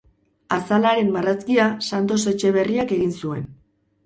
Azalaren marrazkia Santos Etxeberriak egin zuen.